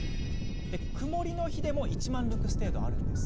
曇りの日でも１万ルクス程度あります。